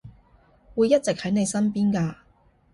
會一直喺你身邊㗎